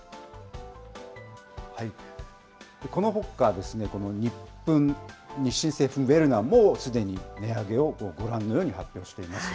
このほか、ニップン、日清製粉ウェルナもすでに値上げをご覧のように発表しています。